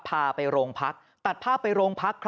พาไปโรงพักตัดภาพไปโรงพัก